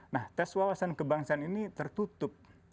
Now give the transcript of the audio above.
nah tes wawasan kebangsaan ini tertutup